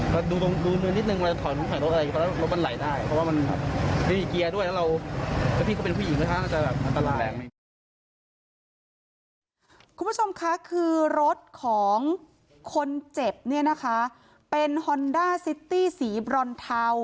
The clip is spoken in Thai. คุณผู้ชมคะคือรถของคนเจ็บเนี่ยนะคะเป็นฮอนด้าซิตี้สีบรอนเทา